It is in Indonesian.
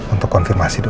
untuk konfirmasi dulu